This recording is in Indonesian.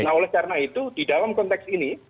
nah oleh karena itu di dalam konteks ini